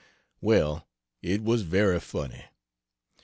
Well, it was very funny.